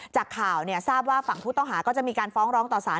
จากข่าวทราบว่าฝั่งผู้ต้องหาก็จะมีการฟ้องร้องต่อสาร